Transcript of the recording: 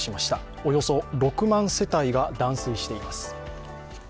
およそ６万世帯が断水しています。